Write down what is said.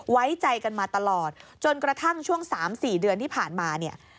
ไว้ใจกันมาตลอดจนกระทั่งช่วง๓๔เดือนที่ผ่านมาเนี่ย